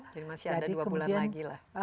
jadi masih ada dua bulan lagi lah